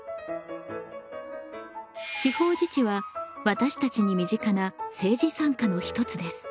地方自治は私たちに身近な政治参加の一つです。